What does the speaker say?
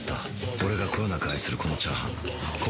俺がこよなく愛するこのチャーハン